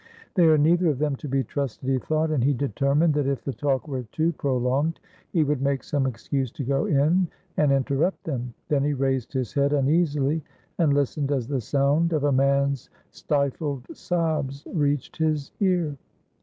"They are neither of them to be trusted," he thought, and he determined that if the talk were too prolonged he would make some excuse to go in and interrupt them; then he raised his head uneasily and listened as the sound of a man's stifled sobs reached his ear.